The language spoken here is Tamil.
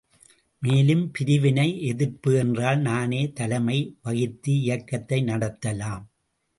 மேலும், பிரிவினை எதிர்ப்பு என்றால் நானே தலைமை வகித்து இயக்கத்தை நடத்தலாம்.